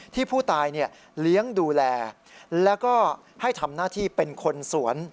ที่ผู้ตายเลี้ยงดูแลแล้วก็ให้ทำหน้าที่เป็นคนสวน